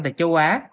tại châu á